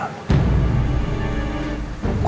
gua bakal hancur